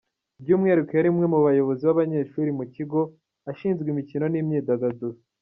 By’umwihariko yari umwe mu bayobozi b’abanyeshuri mu kigo, ashinzwe imikino n’imyidagaduro.